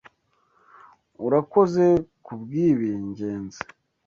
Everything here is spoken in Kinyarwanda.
Urakoze kubwibi, Ngenzi.